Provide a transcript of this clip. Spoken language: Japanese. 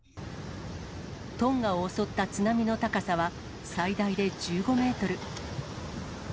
トンガを襲った津波の高さは最大で１５メートル。